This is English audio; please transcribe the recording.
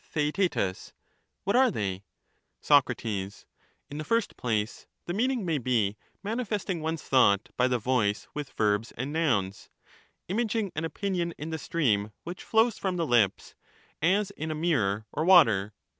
sochatbs, Theaet. What are they ? theaktetus. Soc, In the first place, the meaning may be, manifesting ^^^'^^^'^ one's thought by the voice with verbs and nouns, imaging u!^? an opinion in the stream which flows from the lips, as in a (i) The re mirror or water.